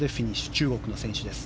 中国の選手です。